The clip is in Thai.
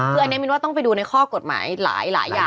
คืออันนี้มินว่าต้องไปดูในข้อกฎหมายหลายอย่าง